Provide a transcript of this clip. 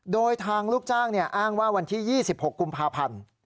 โดยทางลูกจ้างอ้างว่าวันที่๒๖กุมภาพันธ์